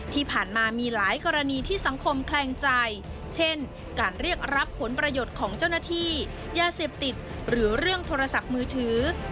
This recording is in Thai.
ที่ผ่านมามีหลายกรณีที่สังคมแคลงใจเช่นการเรียกรับผลประโยชน์ของเจ้าหน้าที่ยาเสพติดหรือเรื่องโทรศัพท์มือถือ